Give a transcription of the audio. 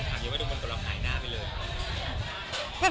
แฟนถามยังไม่รู้มันก็รับถ่ายหน้าไปเลย